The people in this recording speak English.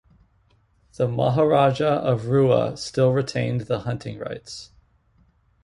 The Maharaja of Rewa still retained the hunting rights.